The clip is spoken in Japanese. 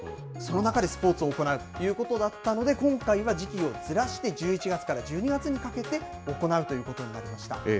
その中でスポーツを行うということだったので、今回は時期をずらして１１月から１２月にかけて行うということになりました。